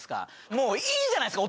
もういいじゃないですか！